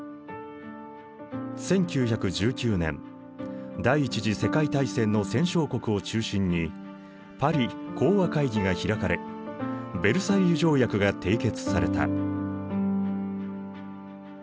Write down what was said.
１９１９年第一次世界大戦の戦勝国を中心にパリ講和会議が開かれヴェルサイユ条約が締結された。